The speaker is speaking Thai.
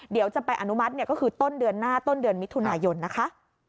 เดี๋ยวจะไปอนุมัติก็คือต้นเดือนหน้าต้นเดือนมิถุนายนนะคะ